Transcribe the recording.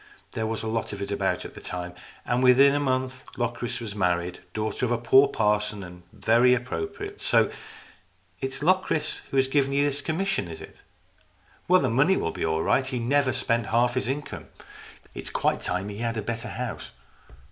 There was a lot of it about at the time. And within a month Locris was married daughter of a poor parson and very appropriate. So it's 198 STORIES IN GREY Locris who has given you this commission, is it? Well, the money will be all right. He's never spent half his income. It's quite time he had a better house."